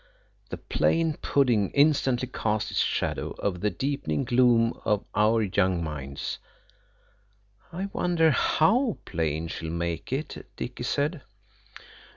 The plain pudding instantly cast its shadow over the deepening gloom of our young minds. "I wonder how plain she'll make it?" Dicky said.